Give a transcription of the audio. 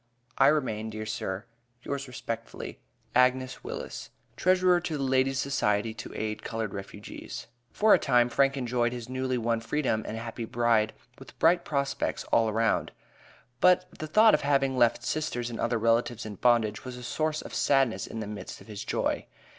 I remain, dear sir, yours respectfully, AGNES WILLIS, Treasurer to the Ladies' Society to aid colored refugees. For a time Frank enjoyed his newly won freedom and happy bride with bright prospects all around; but the thought of having left sisters and other relatives in bondage was a source of sadness in the midst of his joy.